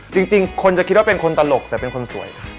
จริงคนจะคิดว่าเป็นคนตลกแต่เป็นคนสวย